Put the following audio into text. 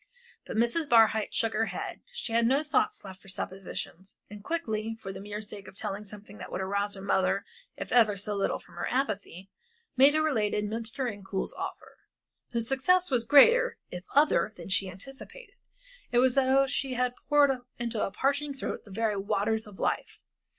But Mrs. Barhyte shook her head, she had no thoughts left for suppositions. And quickly, for the mere sake of telling something that would arouse her mother if ever so little from her apathy, Maida related Mr. Incoul's offer. Her success was greater, if other, than she anticipated. It was as though she had poured into a parching throat the very waters of life.